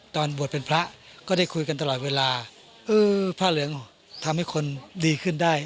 ตอนบวชเป็นพระก็ได้คุยกันตลอดเวลาเออผ้าเหลืองทำให้คนดีขึ้นได้